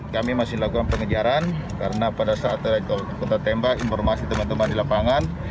kami masih lakukan pengejaran karena pada saat kita tembak informasi teman teman di lapangan